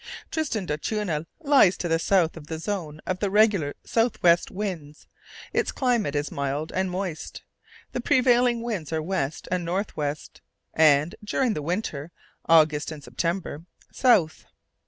Tristan d'Acunha lies to the south of the zone of the regular south west winds. Its climate is mild and moist. The prevailing winds are west and north west, and, during the winter August and September south.